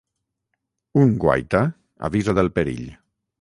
Un guaita avisa del perill.